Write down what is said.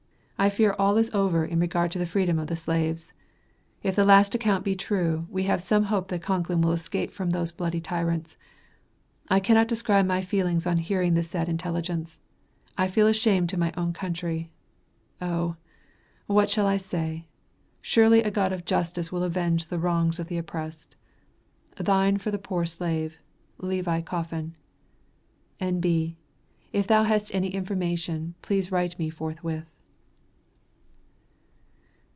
I fear all is over in regard to the freedom of the slaves. If the last account be true, we have some hope that Concklin will escape from those bloody tyrants. I cannot describe my feelings on hearing this sad intelligence. I feel ashamed to own my country. Oh! what shall I say. Surely a God of justice will avenge the wrongs of the oppressed. Thine for the poor slave, LEVI COFFIN. N.B. If thou hast any information, please write me forthwith.